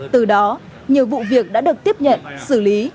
từ đó nhiều vụ việc đã được tiếp nhận xử lý